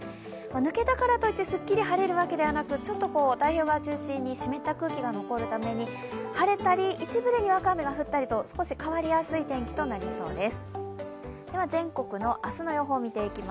抜けたからといって、すっきり晴れるわけではなくちょっと太平洋側を中心に湿った空気が残るために晴れたり、一部でにわか雨が降ったり、少し変わりやすい天気となりそうです。